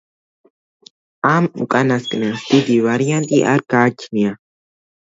ამ უკანასკნელს დიდი ვარიანტი არ გააჩნია.